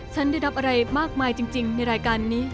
ฉันได้รับอะไรมากมายจริงในรายการนี้